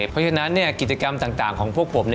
เพราะฉะนั้นกิจกรรมต่างของพวกผม